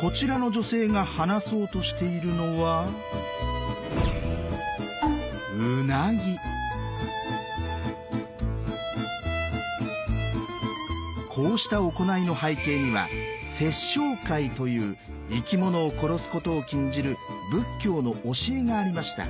こちらの女性が放そうとしているのはこうした行いの背景には「殺生戒」という生き物を殺すことを禁じる仏教の教えがありました。